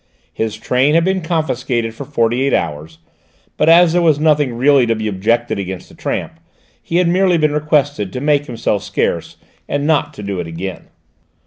His train had been confiscated for forty eight hours, but as there was nothing really to be objected against the tramp, he had merely been requested to make himself scarce, and not to do it again.